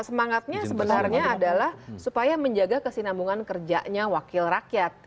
semangatnya sebenarnya adalah supaya menjaga kesinambungan kerjanya wakil rakyat